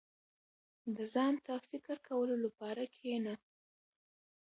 • د ځان ته فکر کولو لپاره کښېنه.